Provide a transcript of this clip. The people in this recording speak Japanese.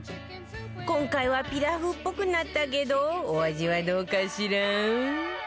今回はピラフっぽくなったけどお味はどうかしら？